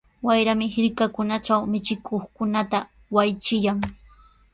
Wayrami hirkakunatraw michikuqkunata waychillan.